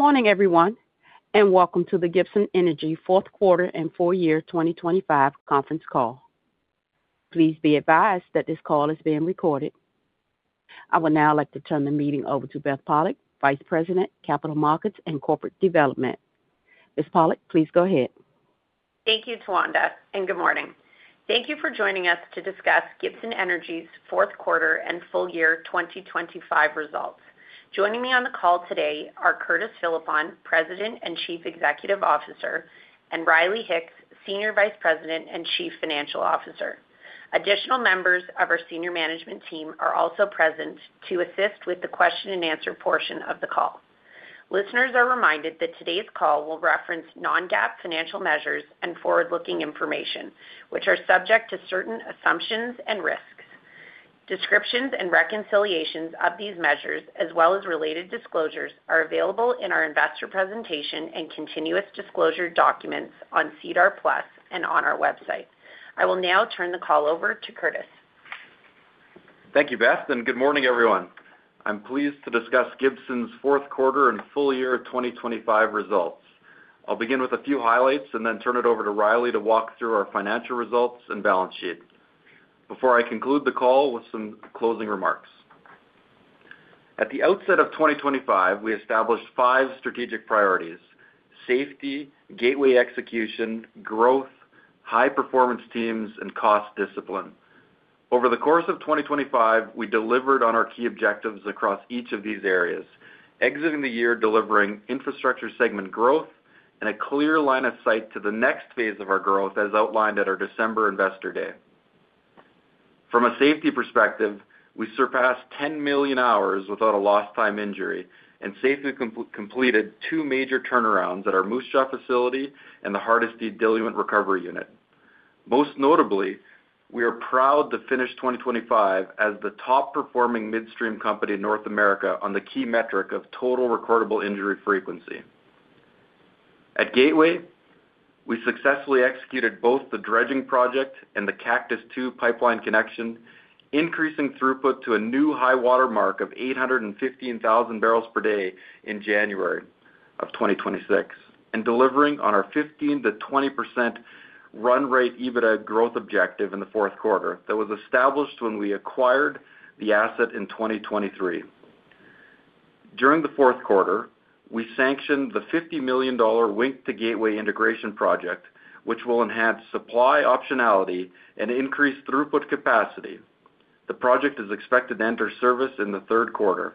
Morning, everyone, and welcome to the Gibson Energy Fourth Quarter and Full Year 2025 Conference Call. Please be advised that this call is being recorded. I would now like to turn the meeting over to Beth Pollock, Vice President, Capital Markets and Corporate Development. Ms. Pollock, please go ahead. Thank you, Tawanda, and good morning. Thank you for joining us to discuss Gibson Energy's Fourth Quarter and Full Year 2025 results. Joining me on the call today are Curtis Philippon, President and Chief Executive Officer, and Riley Hicks, Senior Vice President and Chief Financial Officer. Additional members of our senior management team are also present to assist with the question-and-answer portion of the call. Listeners are reminded that today's call will reference non-GAAP financial measures and forward-looking information, which are subject to certain assumptions and risks. Descriptions and reconciliations of these measures, as well as related disclosures, are available in our investor presentation and continuous disclosure documents on SEDAR+ and on our website. I will now turn the call over to Curtis. Thank you, Beth, and good morning, everyone. I'm pleased to discuss Gibson's fourth quarter and full year 2025 results. I'll begin with a few highlights and then turn it over to Riley to walk through our financial results and balance sheet, before I conclude the call with some closing remarks. At the outset of 2025, we established five strategic priorities: safety, Gateway execution, growth, high performance teams, and cost discipline. Over the course of 2025, we delivered on our key objectives across each of these areas, exiting the year, delivering infrastructure segment growth and a clear line of sight to the next phase of our growth, as outlined at our December Investor Day. From a safety perspective, we surpassed 10 million hours without a lost time injury and safely completed two major turnarounds at our Moose Jaw facility and the Hardisty Diluent Recovery Unit. Most notably, we are proud to finish 2025 as the top-performing midstream company in North America on the key metric of total recordable injury frequency. At Gateway, we successfully executed both the dredging project and the Cactus II pipeline connection, increasing throughput to a new high water mark of 815,000 bbl per day in January of 2026 and delivering on our 15%-20% run rate EBITDA growth objective in the fourth quarter that was established when we acquired the asset in 2023. During the fourth quarter, we sanctioned the $50 million Wink-to-Gateway Integration Project, which will enhance supply optionality and increase throughput capacity. The project is expected to enter service in the third quarter.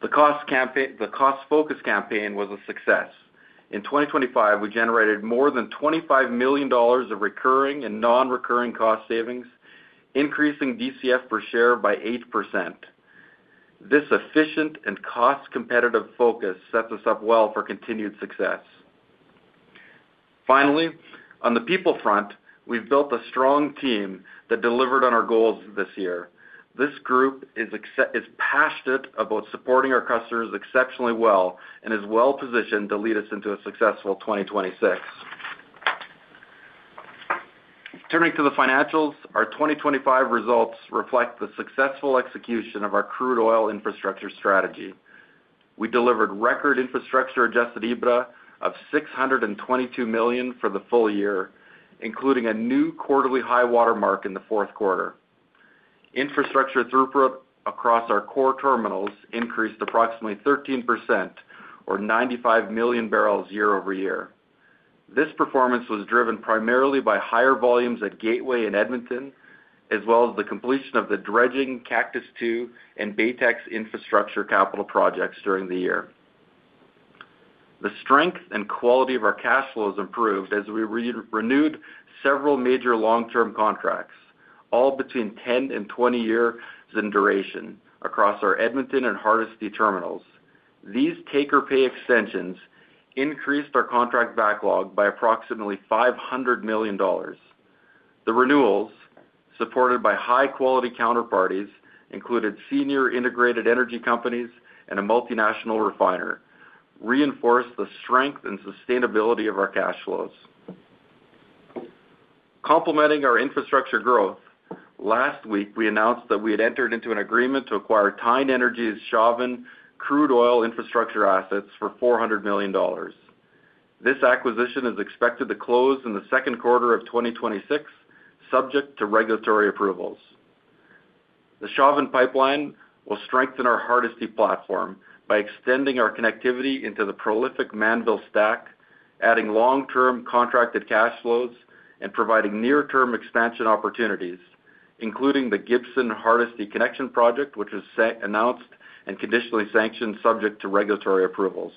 The cost campaign - the cost focus campaign was a success. In 2025, we generated more than 25 million dollars of recurring and non-recurring cost savings, increasing DCF per share by 8%. This efficient and cost-competitive focus sets us up well for continued success. Finally, on the people front, we've built a strong team that delivered on our goals this year. This group is passionate about supporting our customers exceptionally well and is well-positioned to lead us into a successful 2026. Turning to the financials, our 2025 results reflect the successful execution of our crude oil infrastructure strategy. We delivered record Infrastructure Adjusted EBITDA of 622 million for the full year, including a new quarterly high water mark in the fourth quarter. Infrastructure throughput across our core terminals increased approximately 13% or 95 million bbl year-over-year. This performance was driven primarily by higher volumes at Gateway in Edmonton, as well as the completion of the dredging, Cactus II and Baytex infrastructure capital projects during the year. The strength and quality of our cash flows improved as we renewed several major long-term contracts, all between 10 and 20 years in duration across our Edmonton and Hardisty terminals. These take-or-pay extensions increased our contract backlog by approximately 500 million dollars. The renewals, supported by high-quality counterparties, included senior integrated energy companies and a multinational refiner, reinforced the strength and sustainability of our cash flows. Complementing our infrastructure growth, last week, we announced that we had entered into an agreement to acquire Teine Energy's Chauvin crude oil infrastructure assets for 400 million dollars. This acquisition is expected to close in the second quarter of 2026, subject to regulatory approvals. The Chauvin Pipeline will strengthen our Hardisty platform by extending our connectivity into the prolific Mannville Stack, adding long-term contracted cash flows, and providing near-term expansion opportunities, including the Gibson Hardisty Connection Project, which was set, announced, and conditionally sanctioned, subject to regulatory approvals.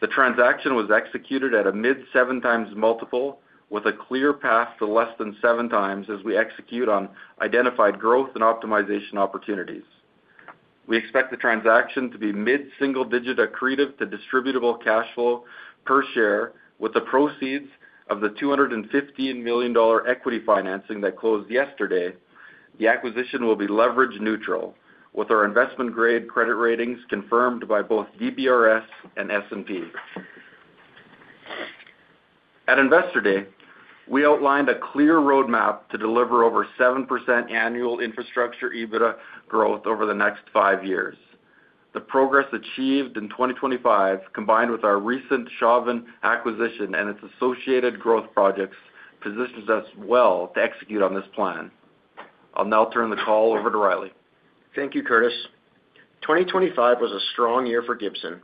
The transaction was executed at a mid-7x multiple, with a clear path to less than 7x as we execute on identified growth and optimization opportunities. We expect the transaction to be mid-single-digit accretive to Distributable Cash Flow per share, with the proceeds of the 215 million dollar equity financing that closed yesterday. The acquisition will be leverage neutral, with our investment-grade credit ratings confirmed by both DBRS and S&P.... At Investor Day, we outlined a clear roadmap to deliver over 7% annual infrastructure EBITDA growth over the next five years. The progress achieved in 2025, combined with our recent Chauvin acquisition and its associated growth projects, positions us well to execute on this plan. I'll now turn the call over to Riley. Thank you, Curtis. 2025 was a strong year for Gibson,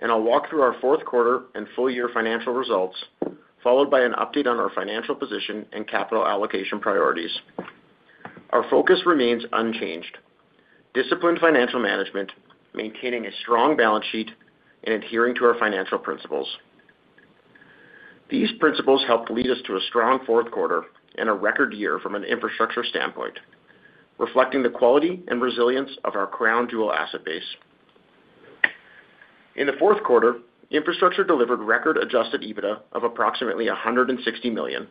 and I'll walk through our fourth quarter and full year financial results, followed by an update on our financial position and capital allocation priorities. Our focus remains unchanged: disciplined financial management, maintaining a strong balance sheet, and adhering to our financial principles. These principles helped lead us to a strong fourth quarter and a record year from an Infrastructure standpoint, reflecting the quality and resilience of our crown jewel asset base. In the fourth quarter, Infrastructure delivered record Adjusted EBITDA of approximately 160 million,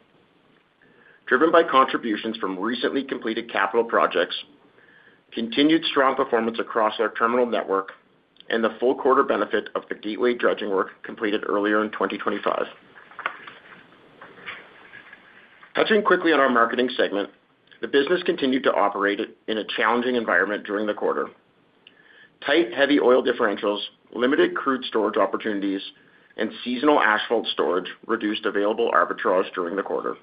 driven by contributions from recently completed capital projects, continued strong performance across our terminal network, and the full quarter benefit of the Gateway dredging work completed earlier in 2025. Touching quickly on our Marketing segment, the business continued to operate in a challenging environment during the quarter. Tight heavy oil differentials, limited crude storage opportunities, and seasonal asphalt storage reduced available arbitrage during the quarter.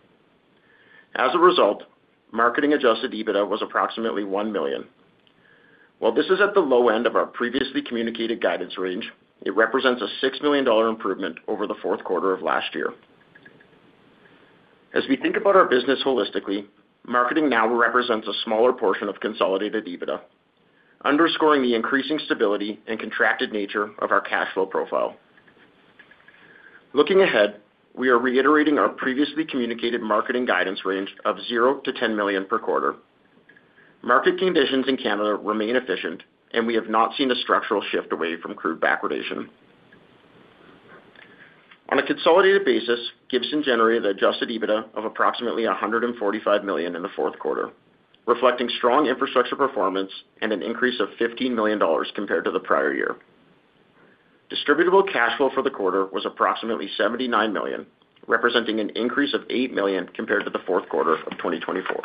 As a result, Marketing Adjusted EBITDA was approximately 1 million. While this is at the low end of our previously communicated guidance range, it represents a 6 million dollar improvement over the fourth quarter of last year. As we think about our business holistically, Marketing now represents a smaller portion of consolidated EBITDA, underscoring the increasing stability and contracted nature of our cash flow profile. Looking ahead, we are reiterating our previously communicated Marketing guidance range of 0 million-10 million per quarter. Market conditions in Canada remain efficient, and we have not seen a structural shift away from crude backwardation. On a consolidated basis, Gibson generated Adjusted EBITDA of approximately 145 million in the fourth quarter, reflecting strong infrastructure performance and an increase of 15 million dollars compared to the prior year. Distributable cash flow for the quarter was approximately 79 million, representing an increase of 8 million compared to the fourth quarter of 2024.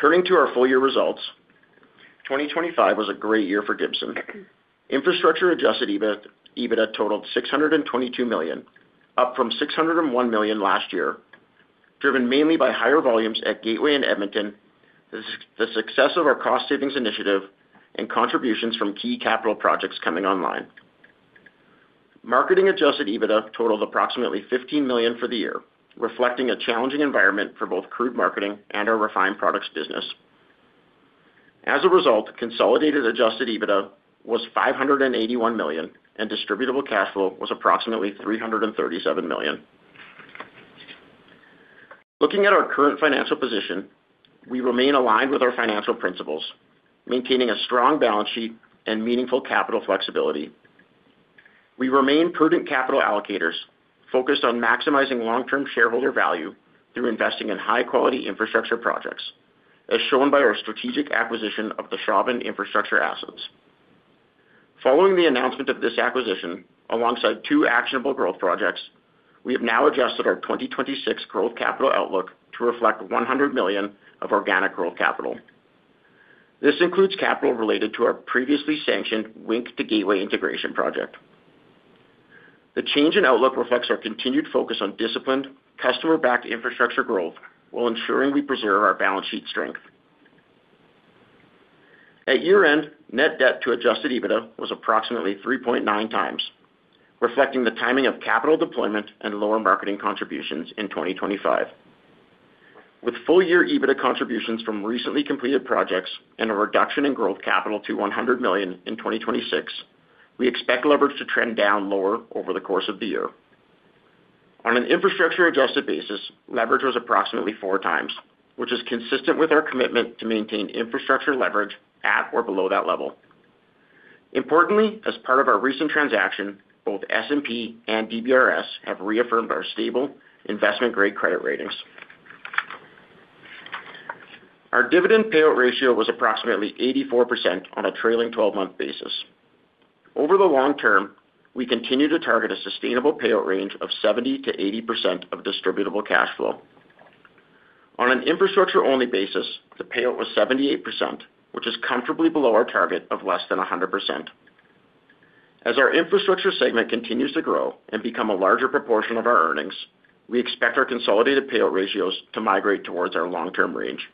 Turning to our full year results, 2025 was a great year for Gibson. Infrastructure Adjusted EBITDA totaled 622 million, up from 601 million last year, driven mainly by higher volumes at Gateway and Edmonton, the success of our cost savings initiative, and contributions from key capital projects coming online. Marketing Adjusted EBITDA totaled approximately 15 million for the year, reflecting a challenging environment for both crude marketing and our refined products business. As a result, consolidated Adjusted EBITDA was 581 million, and Distributable Cash Flow was approximately 337 million. Looking at our current financial position, we remain aligned with our financial principles, maintaining a strong balance sheet and meaningful capital flexibility. We remain prudent capital allocators, focused on maximizing long-term shareholder value through investing in high-quality infrastructure projects, as shown by our strategic acquisition of the Chauvin Infrastructure Assets. Following the announcement of this acquisition, alongside two actionable growth projects, we have now adjusted our 2026 growth capital outlook to reflect 100 million of organic growth capital. This includes capital related to our previously sanctioned Wink-to-Gateway Integration Project. The change in outlook reflects our continued focus on disciplined, customer-backed infrastructure growth, while ensuring we preserve our balance sheet strength. At year-end, net debt to Adjusted EBITDA was approximately 3.9x, reflecting the timing of capital deployment and lower marketing contributions in 2025. With full-year EBITDA contributions from recently completed projects and a reduction in growth capital to 100 million in 2026, we expect leverage to trend down lower over the course of the year. On an infrastructure-adjusted basis, leverage was approximately 4x, which is consistent with our commitment to maintain infrastructure leverage at or below that level. Importantly, as part of our recent transaction, both S&P and DBRS have reaffirmed our stable investment-grade credit ratings. Our dividend payout ratio was approximately 84% on a trailing 12-month basis. Over the long term, we continue to target a sustainable payout range of 70%-80% of Distributable Cash Flow. On an infrastructure-only basis, the payout was 78%, which is comfortably below our target of less than 100%. As our infrastructure segment continues to grow and become a larger proportion of our earnings, we expect our consolidated payout ratios to migrate towards our long-term range.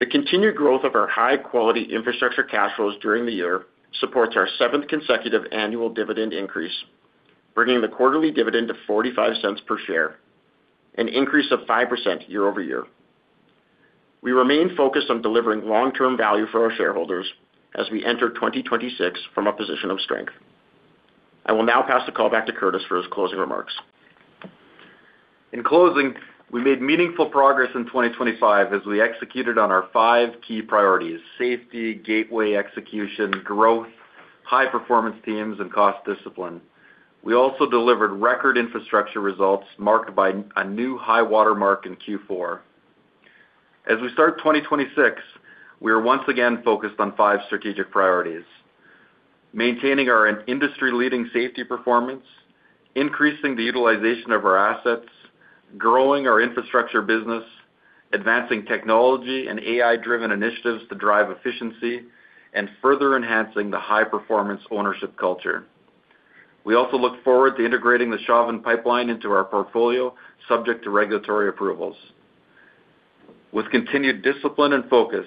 The continued growth of our high-quality infrastructure cash flows during the year supports our 7th consecutive annual dividend increase, bringing the quarterly dividend to 0.45 per share, an increase of 5% year-over-year. We remain focused on delivering long-term value for our shareholders as we enter 2026 from a position of strength. I will now pass the call back to Curtis for his closing remarks. In closing, we made meaningful progress in 2025 as we executed on our five key priorities: safety, Gateway execution, growth, high performance teams, and cost discipline. We also delivered record infrastructure results marked by a new high water mark in Q4. As we start 2026, we are once again focused on five strategic priorities: maintaining our in-industry-leading safety performance, increasing the utilization of our assets, growing our infrastructure business, advancing technology and AI-driven initiatives to drive efficiency, and further enhancing the high-performance ownership culture. We also look forward to integrating the Chauvin Pipeline into our portfolio, subject to regulatory approvals. With continued discipline and focus,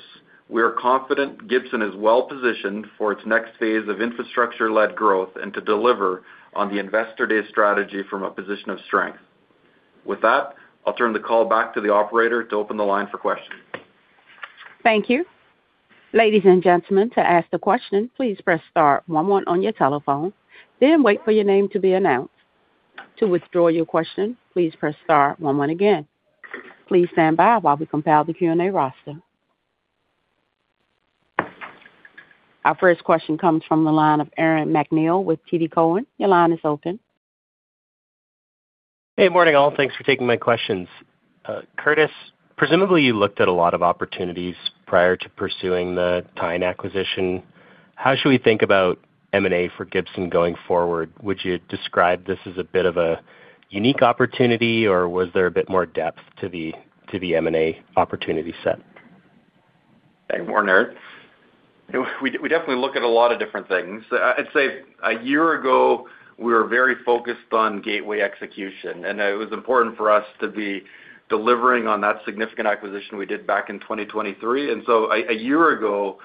we are confident Gibson is well-positioned for its next phase of infrastructure-led growth and to deliver on the Investor Day strategy from a position of strength. With that, I'll turn the call back to the operator to open the line for questions. Thank you. Ladies and gentlemen, to ask the question, please press star one one on your telephone, then wait for your name to be announced. To withdraw your question, please press star one one again. Please stand by while we compile the Q&A roster. Our first question comes from the line of Aaron MacNeil with TD Cowen. Your line is open. Good morning, all. Thanks for taking my questions. Curtis, presumably, you looked at a lot of opportunities prior to pursuing the Teine acquisition. How should we think about M&A for Gibson going forward? Would you describe this as a bit of a unique opportunity, or was there a bit more depth to the M&A opportunity set? Hey, morning, Aaron. We, we definitely look at a lot of different things. I'd say a year ago, we were very focused on Gateway execution, and it was important for us to be delivering on that significant acquisition we did back in 2023. And so a year ago,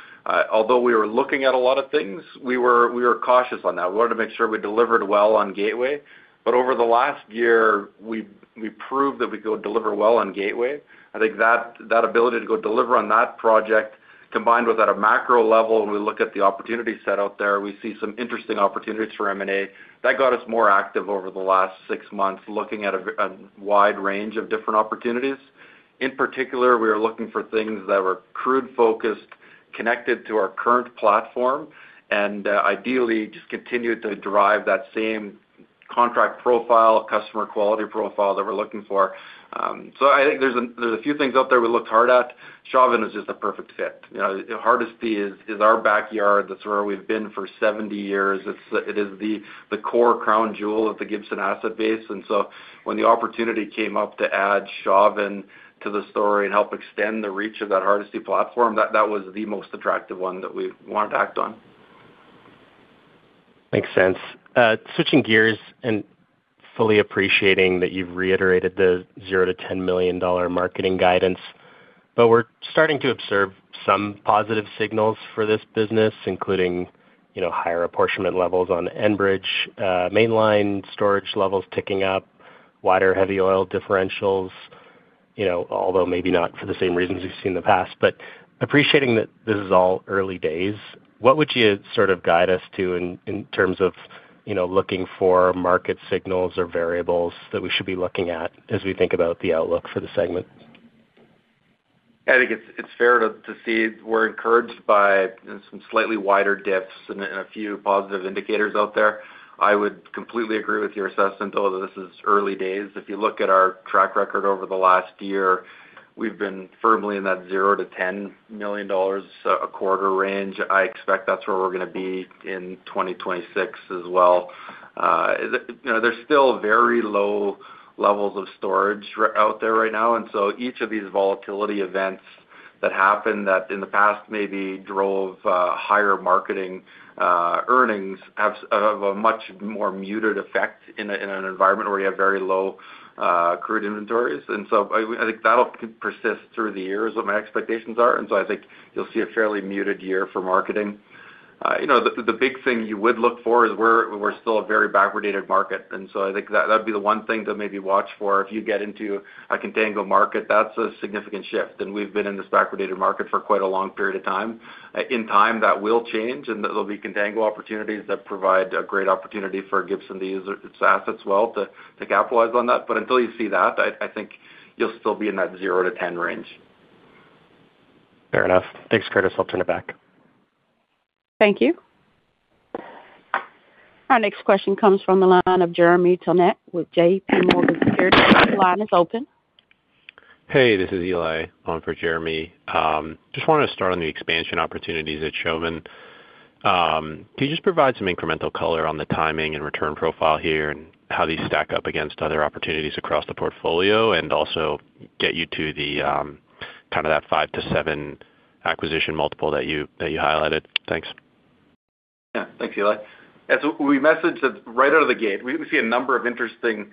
although we were looking at a lot of things, we were, we were cautious on that. We wanted to make sure we delivered well on Gateway. But over the last year, we, we proved that we could deliver well on Gateway. I think that, that ability to go deliver on that project, combined with, at a macro level, when we look at the opportunity set out there, we see some interesting opportunities for M&A. That got us more active over the last six months, looking at a wide range of different opportunities. In particular, we were looking for things that were crude-focused, connected to our current platform, and ideally, just continued to drive that same contract profile, customer quality profile that we're looking for. So I think there's a few things out there we looked hard at. Chauvin is just a perfect fit. You know, Hardisty is our backyard. That's where we've been for 70 years. It is the core crown jewel of the Gibson asset base. And so when the opportunity came up to add Chauvin to the story and help extend the reach of that Hardisty platform, that was the most attractive one that we wanted to act on. Makes sense. Switching gears and fully appreciating that you've reiterated the $0 million-$10 million marketing guidance, but we're starting to observe some positive signals for this business, including, you know, higher apportionment levels on Enbridge, Mainline storage levels ticking up, wider heavy oil differentials, you know, although maybe not for the same reasons we've seen in the past. But appreciating that this is all early days, what would you sort of guide us to in terms of, you know, looking for market signals or variables that we should be looking at as we think about the outlook for the segment? I think it's fair to see we're encouraged by some slightly wider diffs and a few positive indicators out there. I would completely agree with your assessment, although this is early days. If you look at our track record over the last year, we've been firmly in that 0 million-10 million dollars a quarter range. I expect that's where we're gonna be in 2026 as well. You know, there's still very low levels of storage out there right now, and so each of these volatility events that happened, that in the past maybe drove higher marketing earnings, have a much more muted effect in an environment where you have very low crude inventories. And so I think that'll persist through the year, is what my expectations are, and so I think you'll see a fairly muted year for marketing. You know, the big thing you would look for is we're still a very backwardated market, and so I think that'd be the one thing to maybe watch for. If you get into a contango market, that's a significant shift, and we've been in this backwardated market for quite a long period of time. In time, that will change, and there'll be contango opportunities that provide a great opportunity for Gibson to use its assets well to capitalize on that. But until you see that, I think you'll still be in that zero-10 range. Fair enough. Thanks, Curtis. I'll turn it back. Thank you. Our next question comes from the line of Jeremy Tonet with JPMorgan Securities. Your line is open. Hey, this is Eli, on for Jeremy. Just wanted to start on the expansion opportunities at Chauvin. Can you just provide some incremental color on the timing and return profile here, and how these stack up against other opportunities across the portfolio, and also get you to the, kind of that five-seven acquisition multiple that you, that you highlighted? Thanks. Yeah. Thanks, Eli. As we messaged that right out of the gate, we see a number of interesting, you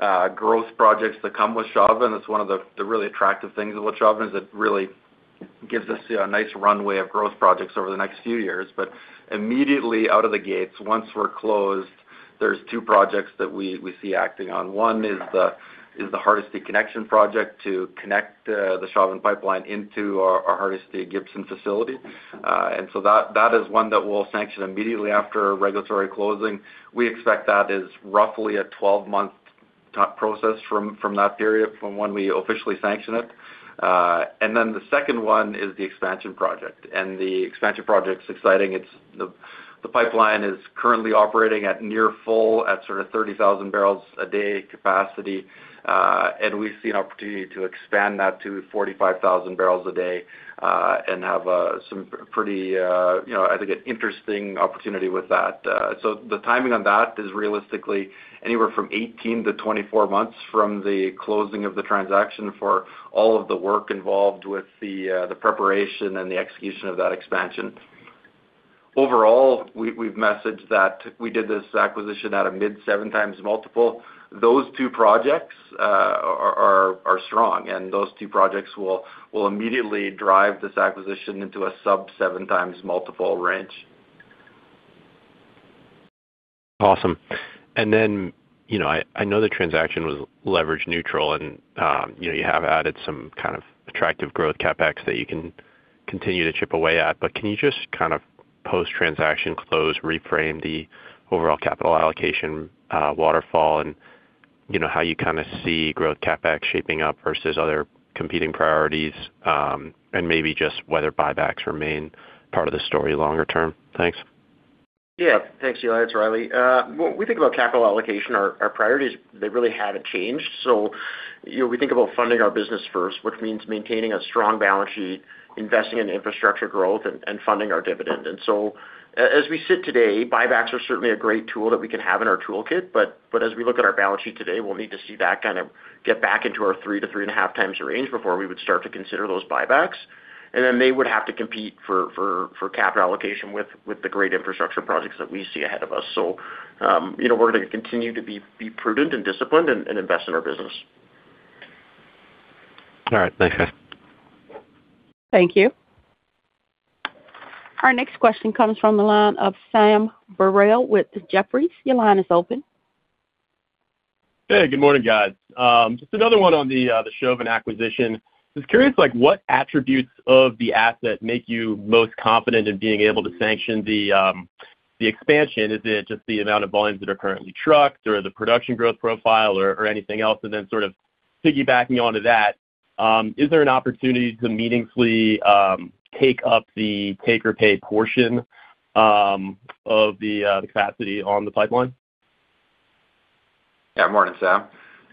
know, growth projects that come with Chauvin. That's one of the really attractive things about Chauvin, is it really gives us a nice runway of growth projects over the next few years. Immediately out of the gates, once we're closed, there's two projects that we see acting on. One is the Hardisty connection project to connect the Chauvin pipeline into our Hardisty Gibson facility. That is one that we'll sanction immediately after regulatory closing. We expect that is roughly a 12-month process from that period from when we officially sanction it. The second one is the expansion project, and the expansion project's exciting. It's the... The pipeline is currently operating at near full, at sort of 30,000 bbl a day capacity, and we see an opportunity to expand that to 45,000 bbl a day, and have some pretty, you know, I think, an interesting opportunity with that. So the timing on that is realistically anywhere from 18-24 months from the closing of the transaction for all of the work involved with the preparation and the execution of that expansion. Overall, we, we've messaged that we did this acquisition at a mid-7x multiple. Those two projects are strong, and those two projects will immediately drive this acquisition into a sub-7x multiple range. Awesome. And then, you know, I, I know the transaction was leverage neutral and, you know, you have added some kind of attractive growth CapEx that you can continue to chip away at, but can you just kind of post-transaction close, reframe the overall capital allocation, waterfall and, you know, how you kind of see growth CapEx shaping up versus other competing priorities, and maybe just whether buybacks remain part of the story longer term? Thanks. Yeah. Thanks, Eli, it's Riley. When we think about capital allocation, our priorities, they really haven't changed. So, you know, we think about funding our business first, which means maintaining a strong balance sheet, investing in infrastructure growth, and funding our dividend. And so as we sit today, buybacks are certainly a great tool that we can have in our toolkit, but as we look at our balance sheet today, we'll need to see that kind of get back into our 3x-3.5x range before we would start to consider those buybacks. And then they would have to compete for capital allocation with the great infrastructure projects that we see ahead of us. So, you know, we're gonna continue to be prudent and disciplined and invest in our business. All right. Thanks, guys. Thank you. Our next question comes from the line of Sam Burwell with Jefferies. Your line is open. Hey, good morning, guys. Just another one on the Chauvin acquisition. Just curious, like, what attributes of the asset make you most confident in being able to sanction the expansion? Is it just the amount of volumes that are currently trucked, or the production growth profile or, or anything else? And then sort of piggybacking onto that, is there an opportunity to meaningfully take up the take-or-pay portion of the capacity on the pipeline? Yeah. Morning, Sam.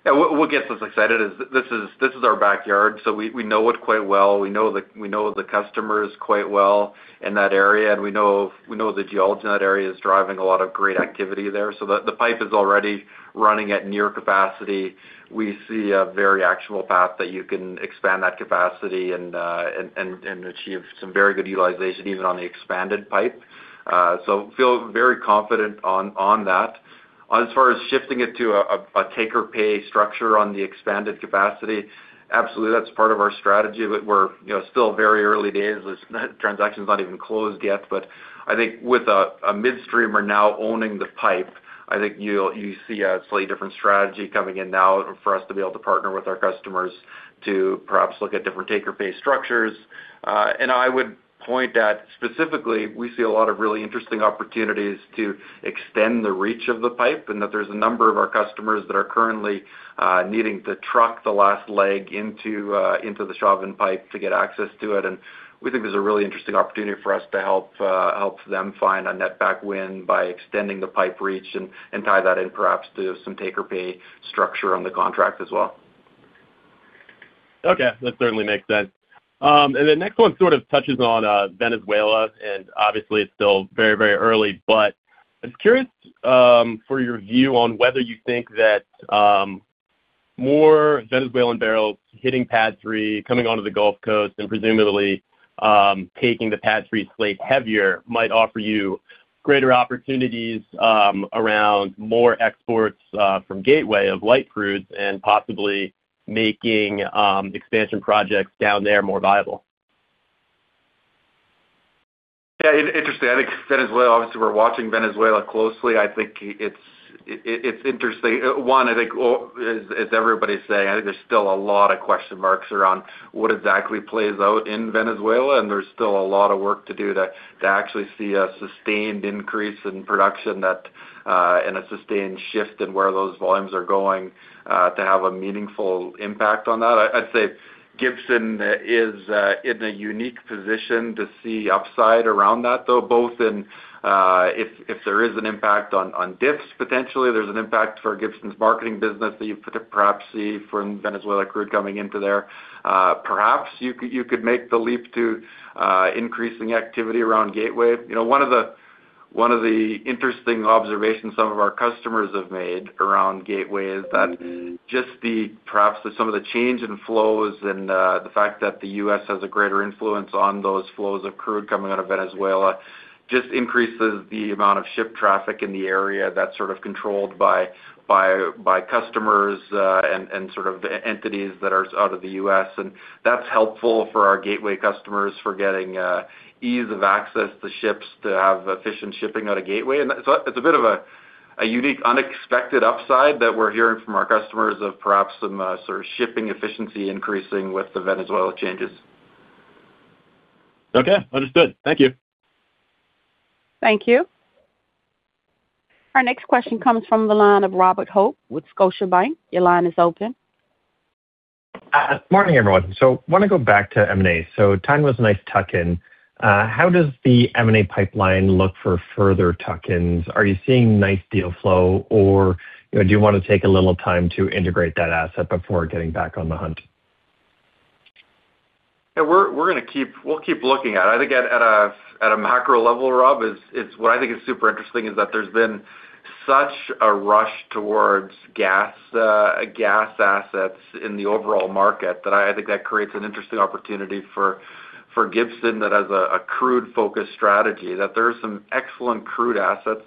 Yeah, what gets us excited is this is our backyard, so we know it quite well. We know the customers quite well in that area, and we know the geology in that area is driving a lot of great activity there. So the pipe is already running at near capacity. We see a very actual path that you can expand that capacity and achieve some very good utilization even on the expanded pipe. So feel very confident on that. As far as shifting it to a take-or-pay structure on the expanded capacity, absolutely, that's part of our strategy, but we're, you know, still very early days. This transaction's not even closed yet. But I think with a midstreamer now owning the pipe, I think you'll see a slightly different strategy coming in now for us to be able to partner with our customers to perhaps look at different take-or-pay structures. And I would point that specifically, we see a lot of really interesting opportunities to extend the reach of the pipe, and that there's a number of our customers that are currently needing to truck the last leg into into the Chauvin Pipe to get access to it. And we think there's a really interesting opportunity for us to help them find a netback win by extending the pipe reach and tie that in perhaps to some take-or-pay structure on the contract as well. Okay, that certainly makes sense. And the next one sort of touches on Venezuela, and obviously, it's still very, very early, but I'm curious for your view on whether you think that more Venezuelan barrels hitting PADD III, coming onto the Gulf Coast and presumably taking the PADD III slate heavier, might offer you greater opportunities around more exports from Gateway of light crudes and possibly making expansion projects down there more viable. Yeah, interesting. I think Venezuela, obviously, we're watching Venezuela closely. I think it's interesting. One, I think, well, as everybody's saying, I think there's still a lot of question marks around what exactly plays out in Venezuela, and there's still a lot of work to do to actually see a sustained increase in production that and a sustained shift in where those volumes are going to have a meaningful impact on that. I'd say Gibson is in a unique position to see upside around that, though, both in if there is an impact on diffs, potentially there's an impact for Gibson's marketing business that you could perhaps see from Venezuelan crude coming into there. Perhaps you could make the leap to increasing activity around Gateway. You know, one of the, one of the interesting observations some of our customers have made around Gateway is that just the, perhaps some of the change in flows and the fact that the U.S. has a greater influence on those flows of crude coming out of Venezuela just increases the amount of ship traffic in the area that's sort of controlled by, by, by customers and sort of entities that are out of the U.S. And that's helpful for our Gateway customers for getting ease of access to ships to have efficient shipping out of Gateway. And so it's a bit of a, a unique, unexpected upside that we're hearing from our customers of perhaps some sort of shipping efficiency increasing with the Venezuela changes. Okay, understood. Thank you. Thank you. Our next question comes from the line of Robert Hope with Scotiabank. Your line is open. Morning, everyone. So wanna go back to M&A. So Teine was a nice tuck-in. How does the M&A pipeline look for further tuck-ins? Are you seeing nice deal flow, or, you know, do you want to take a little time to integrate that asset before getting back on the hunt? Yeah, we're gonna keep looking at it. I think at a macro level, Rob, what I think is super interesting is that there's been such a rush towards gas assets in the overall market, that I think that creates an interesting opportunity for Gibson that has a crude-focused strategy, that there are some excellent crude assets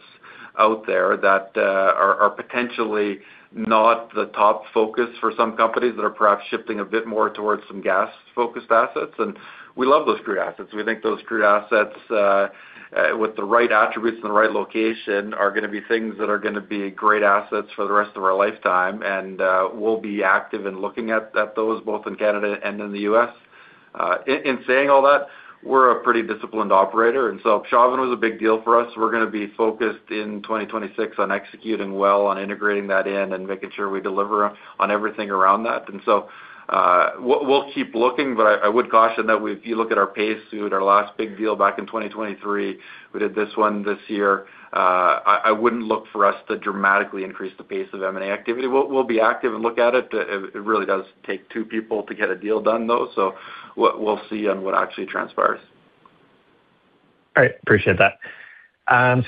out there that are potentially not the top focus for some companies that are perhaps shifting a bit more towards some gas-focused assets. And we love those crude assets. We think those crude assets with the right attributes and the right location are gonna be things that are gonna be great assets for the rest of our lifetime. And we'll be active in looking at those, both in Canada and in the U.S. In saying all that, we're a pretty disciplined operator, and so Chauvin was a big deal for us. We're gonna be focused in 2026 on executing well on integrating that in and making sure we deliver on everything around that. And so, we'll keep looking, but I would caution that we, if you look at our pace, we did our last big deal back in 2023, we did this one this year. I wouldn't look for us to dramatically increase the pace of M&A activity. We'll be active and look at it. It really does take two people to get a deal done, though, so we'll see on what actually transpires. All right. Appreciate that.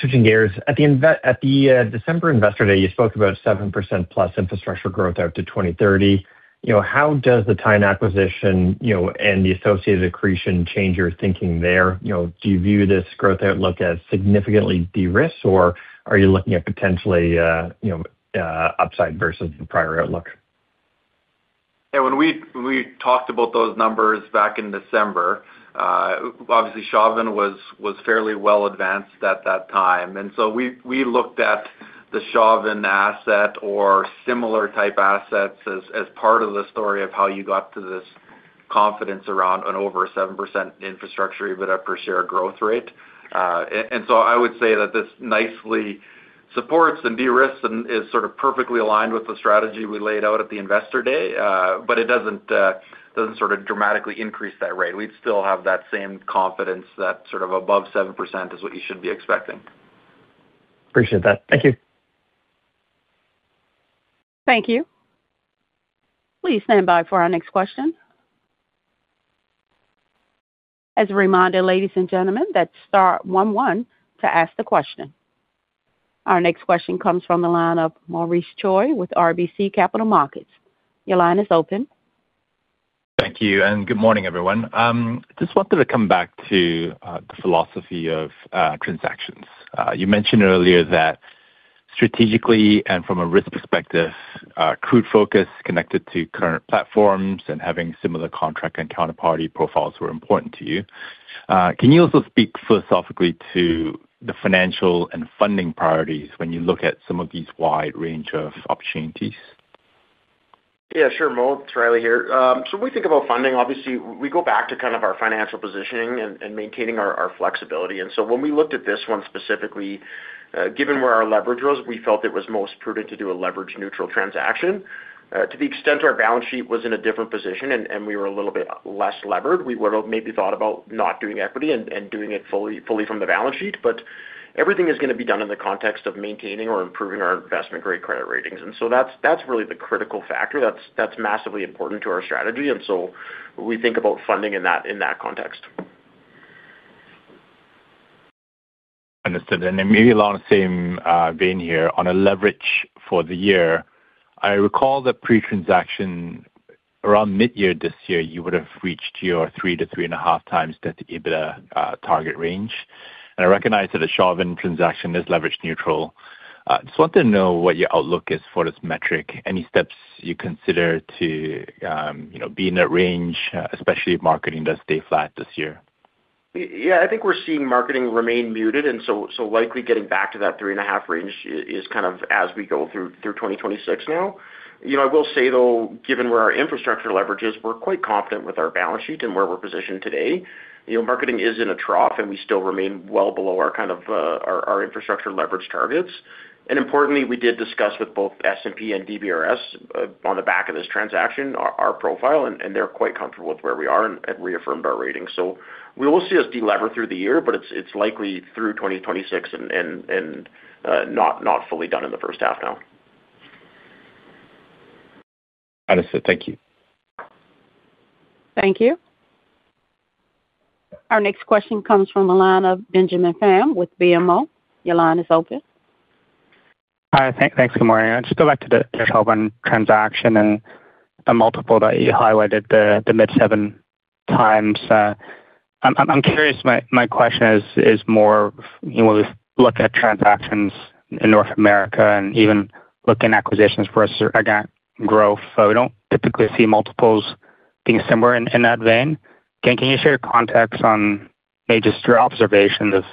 Switching gears. At the December Investor Day, you spoke about 7%+ infrastructure growth out to 2030. You know, how does the Teine acquisition, you know, and the associated accretion change your thinking there? You know, do you view this growth outlook as significantly de-risk, or are you looking at potentially, you know, upside versus the prior outlook? Yeah, when we talked about those numbers back in December, obviously, Chauvin was fairly well advanced at that time. And so we looked at the Chauvin asset or similar type assets as part of the story of how you got to this confidence around an over 7% infrastructure EBITDA per share growth rate. And so I would say that this nicely supports and de-risks and is sort of perfectly aligned with the strategy we laid out at the Investor Day, but it doesn't sort of dramatically increase that rate. We'd still have that same confidence that sort of above 7% is what you should be expecting. Appreciate that. Thank you. Thank you. Please stand by for our next question. As a reminder, ladies and gentlemen, that's star one one to ask the question. Our next question comes from the line of Maurice Choy with RBC Capital Markets. Your line is open. Thank you, and good morning, everyone. Just wanted to come back to the philosophy of transactions. You mentioned earlier that strategically and from a risk perspective, crude focus connected to current platforms and having similar contract and counterparty profiles were important to you. Can you also speak philosophically to the financial and funding priorities when you look at some of these wide range of opportunities? Yeah, sure, Mo. It's Riley here. So when we think about funding, obviously we go back to kind of our financial positioning and maintaining our flexibility. And so when we looked at this one specifically, given where our leverage was, we felt it was most prudent to do a leverage-neutral transaction. To the extent our balance sheet was in a different position and we were a little bit less levered, we would have maybe thought about not doing equity and doing it fully from the balance sheet. But everything is gonna be done in the context of maintaining or improving our investment-grade credit ratings, and so that's really the critical factor. That's massively important to our strategy, and so we think about funding in that context. Understood. And then maybe along the same vein here, on a leverage for the year, I recall the pre-transaction around mid-year this year, you would have reached your 3x-3.5x EBITDA target range. And I recognize that a Chauvin transaction is leverage neutral. Just want to know what your outlook is for this metric. Any steps you consider to, you know, be in that range, especially if marketing does stay flat this year? Yeah, I think we're seeing marketing remain muted, and so likely getting back to that 3.5x range is kind of as we go through 2026 now. You know, I will say, though, given where our infrastructure leverage is, we're quite confident with our balance sheet and where we're positioned today. You know, marketing is in a trough, and we still remain well below our kind of our infrastructure leverage targets. And importantly, we did discuss with both S&P and DBRS on the back of this transaction, our profile, and they're quite comfortable with where we are and reaffirmed our ratings. So we will see us de-lever through the year, but it's likely through 2026 and not fully done in the first half now. Understood. Thank you. Thank you. Our next question comes from the line of Benjamin Pham with BMO. Your line is open. Hi. Thanks. Good morning. I'd just go back to the Chauvin transaction and the multiple that you highlighted, the mid-7x. I'm curious, my question is more, you know, when we look at transactions in North America and even looking at acquisitions for organic growth, we don't typically see multiples being similar in that vein. Can you share context on maybe just your observations of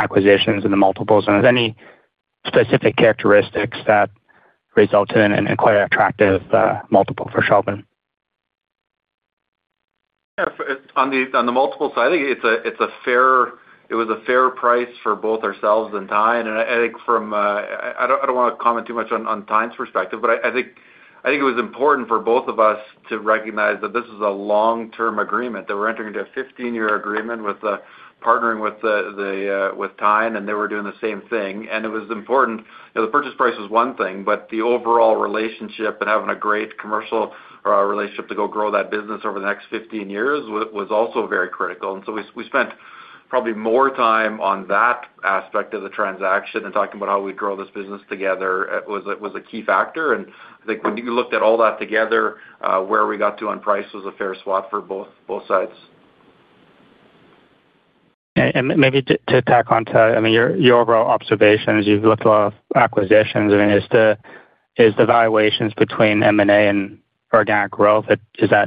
acquisitions and the multiples, and is there any specific characteristics that result in a quite attractive multiple for Chauvin?... Yeah, on the multiple side, I think it was a fair price for both ourselves and Teine. And I think from, I don't wanna comment too much on Teine's perspective, but I think it was important for both of us to recognize that this is a long-term agreement, that we're entering into a 15-year agreement with partnering with Teine, and they were doing the same thing. And it was important. You know, the purchase price is one thing, but the overall relationship and having a great commercial relationship to go grow that business over the next 15 years was also very critical. And so we spent probably more time on that aspect of the transaction and talking about how we'd grow this business together, was a key factor. And I think when you looked at all that together, where we got to on price was a fair swap for both sides. Maybe to tack on to, I mean, your overall observations, you've looked a lot of acquisitions. I mean, is the valuations between M&A and organic growth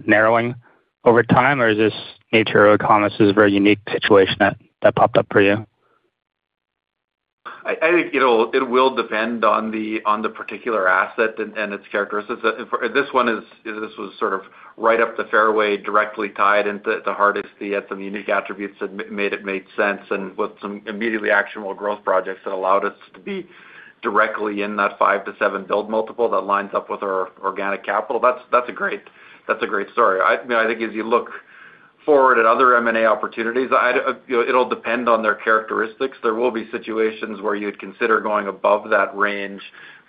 narrowing over time, or is this nature of [acquisition] a very unique situation that popped up for you? I think, you know, it will depend on the particular asset and its characteristics. For this one, this was sort of right up the fairway, directly tied into the Hardisty, had some unique attributes that made it make sense, and with some immediately actionable growth projects that allowed us to be directly in that 5-7 build multiple, that lines up with our organic capital. That's a great story. I mean, I think as you look forward at other M&A opportunities, I'd, you know, it'll depend on their characteristics. There will be situations where you'd consider going above that range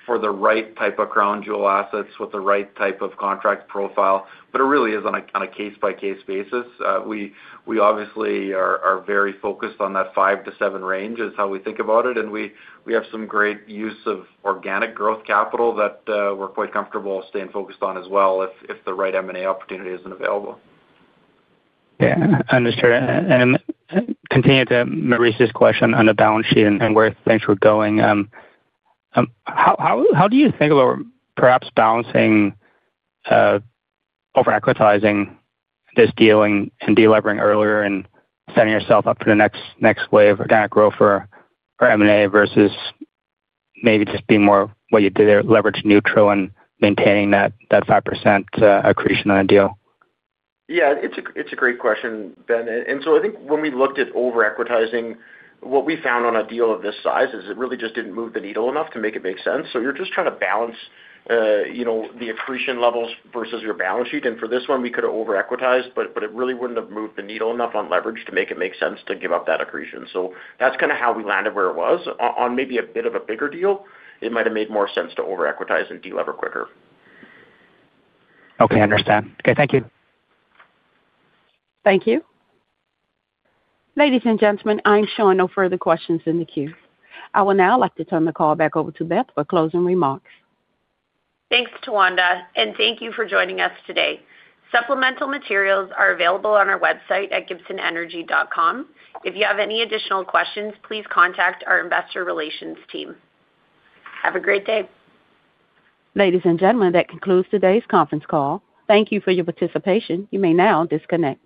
for the right type of crown jewel assets with the right type of contract profile, but it really is on a case-by-case basis. We obviously are very focused on that 5x-7x range, is how we think about it, and we have some great use of organic growth capital that we're quite comfortable staying focused on as well, if the right M&A opportunity isn't available. Yeah, understood. And continuing to Maurice's question on the balance sheet and where things were going, how do you think about perhaps balancing over-equitizing this deal and delevering earlier and setting yourself up for the next wave of organic growth or M&A versus maybe just being more what you did there, leverage neutral and maintaining that 5% accretion on a deal? Yeah, it's a great question, Ben. And so I think when we looked at over-equitizing, what we found on a deal of this size is it really just didn't move the needle enough to make it make sense. So you're just trying to balance, you know, the accretion levels versus your balance sheet. And for this one, we could have over-equitized, but it really wouldn't have moved the needle enough on leverage to make it make sense to give up that accretion. So that's kinda how we landed where it was. On maybe a bit of a bigger deal, it might have made more sense to over-equitize and delever quicker. Okay, I understand. Okay, thank you. Thank you. Ladies and gentlemen, I'm showing no further questions in the queue. I would now like to turn the call back over to Beth for closing remarks. Thanks, Tawanda, and thank you for joining us today. Supplemental materials are available on our website at gibsonenergy.com. If you have any additional questions, please contact our Investor Relations team. Have a great day. Ladies and gentlemen, that concludes today's conference call. Thank you for your participation. You may now disconnect.